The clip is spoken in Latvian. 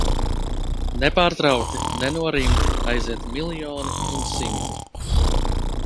Nepārtraukti, nenorimti aiziet miljoni un simti.